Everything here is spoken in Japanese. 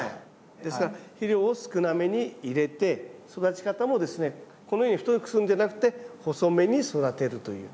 ですから肥料を少なめに入れて育ち方もですねこのように太くするんじゃなくて細めに育てるという。